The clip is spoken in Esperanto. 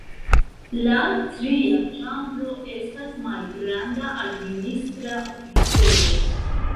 La tria ĉambro estas malgranda administra oficejo.